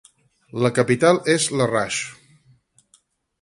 La capital és Larraix.